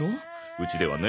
うちではね